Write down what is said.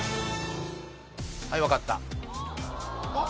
はい分かったあっ